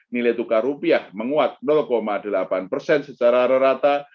nilai tukar rupiah menguat delapan persen secara rata